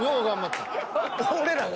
俺らが？